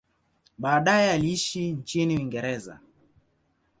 Baadaye aliishi nchini Uingereza.